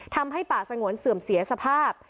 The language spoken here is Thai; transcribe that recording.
ทำให้ป่าสงวนเสื่อมเสียสภาพ